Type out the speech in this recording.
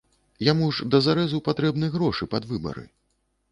Яму ж дазарэзу патрэбны грошы пад выбары.